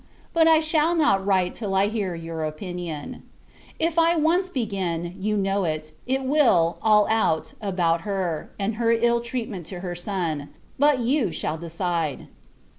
But, I shall not write till I hear your opinion. If I once begin, you know, it will all out, about her, and her ill treatment to her son. But, you shall decide.